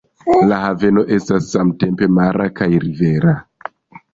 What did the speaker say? La haveno estas samtempe mara kaj rivera.